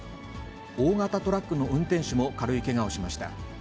大型トラックの運転手も軽いけがをしました。